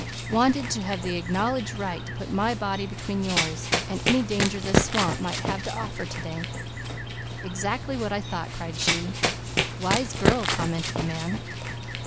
"Wanted to have the acknowledged right to put my body between yours and any danger this swamp might have to offer to day." "Exactly what I thought!" cried she. "Wise girl," commented the man.